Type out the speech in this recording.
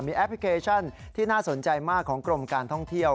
แอปพลิเคชันที่น่าสนใจมากของกรมการท่องเที่ยว